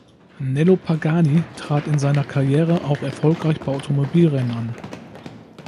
Nello Pagani trat in seiner Karriere auch erfolgreich bei Automobilrennen an.